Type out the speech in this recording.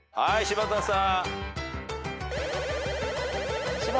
有田さん。